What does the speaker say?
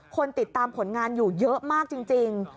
คนติดตามผลงานอยู่เยอะมากจริง